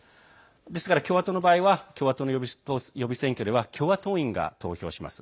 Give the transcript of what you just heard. ですから共和党の場合は共和党の予備選挙では共和党員が投票します。